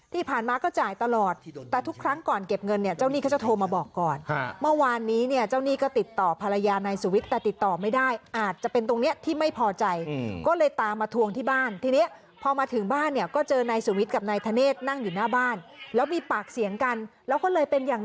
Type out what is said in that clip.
ที่ผ่านมาก็จ่ายตลอดแต่ทุกครั้งก่อนเก็บเงินเนี่ยเจ้าหนี้เขาจะโทรมาบอกก่อนเมื่อวานนี้เนี่ยเจ้าหนี้ก็ติดต่อภรรยานายสุวิทย์แต่ติดต่อไม่ได้อาจจะเป็นตรงนี้ที่ไม่พอใจก็เลยตามมาทวงที่บ้านทีนี้พอมาถึงบ้านเนี่ยก็เจอนายสุวิทย์กับนายธเนธนั่งอยู่หน้าบ้านแล้วมีปากเสียงกันแล้วก็เลยเป็นอย่าง